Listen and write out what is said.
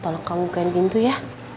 tolong kamu bukain pintu ya